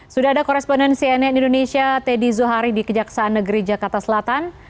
sudah ada koresponden cnn indonesia teddy zuhari di kejaksaan negeri jakarta selatan